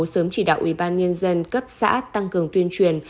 sớm chỉ đạo ubnd cấp xã tăng cường tuyên truyền